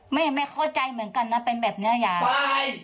แม่ไม่เข้าใจเหมือนกันนะเป็นแบบนี้ยาย